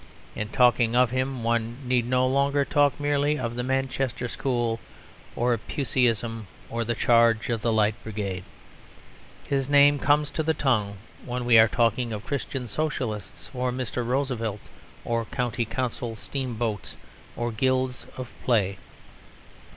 In talking of him one need no longer talk merely of the Manchester School or Puseyism or the Charge of the Light Brigade; his name comes to the tongue when we are talking of Christian Socialists or Mr. Roosevelt or County Council Steam Boats or Guilds of Play.